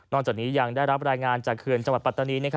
จากนี้ยังได้รับรายงานจากเขื่อนจังหวัดปัตตานี